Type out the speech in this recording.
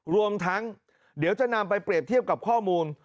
รวมทั้งเดี๋ยวจะนำไปเปรียบเทียบกับข้อมูล